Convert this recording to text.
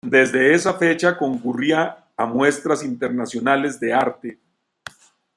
Desde esa fecha concurría a muestras internacionales de arte.